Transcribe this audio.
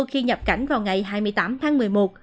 khi nhập cảnh vào ngày hai mươi tám tháng một mươi một